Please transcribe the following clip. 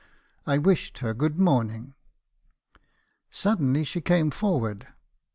I wished her good morning. Suddenly she came forwards.